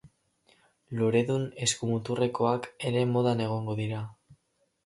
Loredun eskumuturrekoak ere modan egongo dira.